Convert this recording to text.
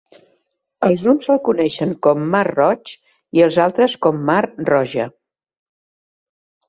Els uns el coneixen com mar Roig i els altres com mar Roja.